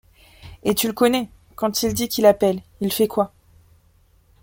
Et tu le connais, quand il dit qu’il appelle, il fait quoi ?